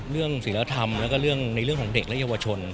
ศิลธรรมแล้วก็ในเรื่องของเด็กและเยาวชน